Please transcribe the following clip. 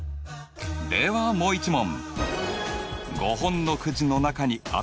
ではもう一問。